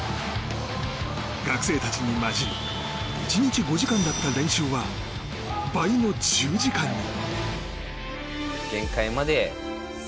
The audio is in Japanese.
学生たちに交じり１日５時間だった練習は倍の１０時間に。